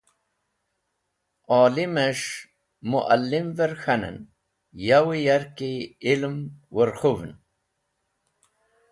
Olimes̃h mualimẽr k̃hanẽn, yo yarki ilem werkhũvẽn.